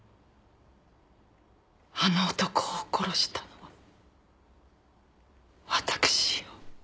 あの男を殺したのはわたくしよ。